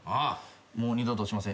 もう二度としません。